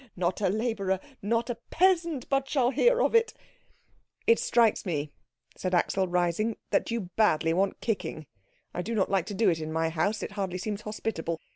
Not a labourer, not a peasant, but shall hear of it " "It strikes me," said Axel, rising, "that you badly want kicking. I do not like to do it in my house it hardly seems hospitable.